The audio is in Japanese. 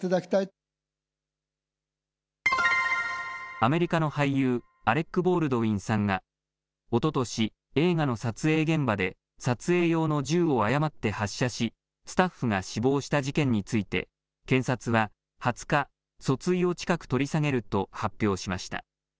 アメリカの俳優、アレック・ボールドウィンさんがおととし映画の撮影現場で撮影用の銃を誤って発射しスタッフが死亡した事件について検察は２０日、訴追を近く取り下げると発表しました。